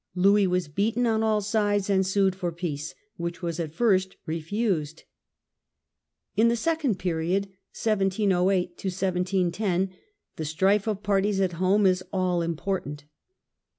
Louis was beaten on all sides and sued for peace, which was at first refused. In the second period (1708 17 10) the strife of parties at home is all important.